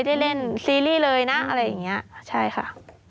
ได้เล่นซีรีส์เลยนะอะไรอย่างเงี้ยใช่ค่ะ